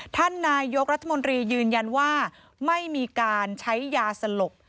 ท่านนายกรัฐมนตรียืนยันว่าไม่มีการใช้ยาสลบ